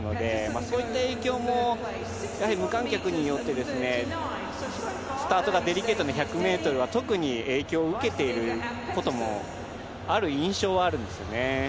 そういった影響も無観客によってスタートがデリケートな１００ｍは特に影響を受けていることもある印象はあるんですね。